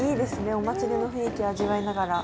お祭りの雰囲気味わいながら。